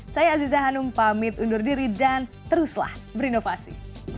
saya aziza hanum pamit undur diri dan teruslah berinovasi